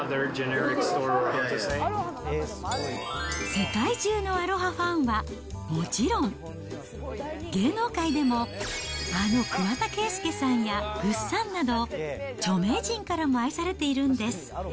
世界中のアロハファンはもちろん、芸能界でもあの桑田佳祐さんやぐっさんなど、著名人からも愛されているんです。